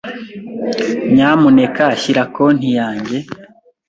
Nyamuneka shyira konti yanjye.